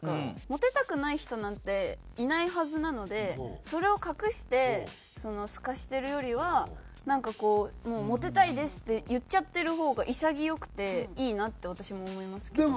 モテたくない人なんていないはずなのでそれを隠してすかしてるよりはなんかこうもう「モテたいです」って言っちゃってる方が潔くていいなって私も思いますけど。